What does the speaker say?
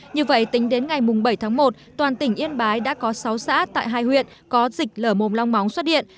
như vậy tính đến ngày bảy tháng một toàn tỉnh yên bái đã có sáu xã tại hai huyện có dịch lở mồm long móng xuất hiện